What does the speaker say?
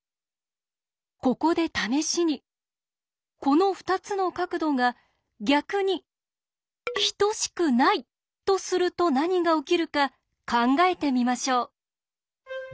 ここで試しにこの２つの角度が逆に等しくないとすると何が起きるか考えてみましょう。